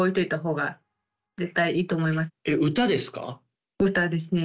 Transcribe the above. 歌ですね。